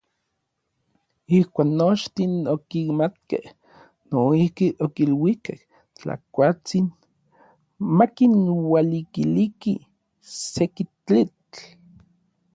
Ijkuak nochtin okimatkej, noijki okiluikej Tlakuatsin makinualikiliki seki tlitl.